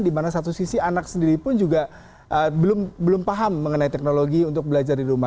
di mana satu sisi anak sendiri pun juga belum paham mengenai teknologi untuk belajar di rumah